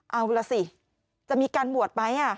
เอาล่ะสิจะมีการบวชไหม